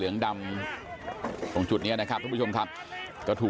คุณตำรวจครับนี่ออกมาใจเย็นพี่เขาพี่เขา